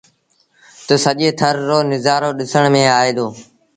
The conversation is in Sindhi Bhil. تا سڄي ٿر رو نزآرو ڏسڻ ميݩ آئي دو۔